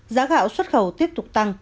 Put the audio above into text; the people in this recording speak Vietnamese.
giá gạo xuất khẩu tiếp tục tăng